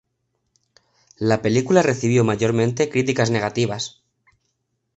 La película recibió mayormente críticas negativas.